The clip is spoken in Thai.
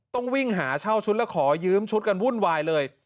ต้องวิ่งหาเช่าชุดแล้วขอยืมชุดกันวุ่นวายเลย